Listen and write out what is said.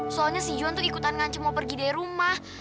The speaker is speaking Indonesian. soalnya si john tuh ikutan ngancep mau pergi dari rumah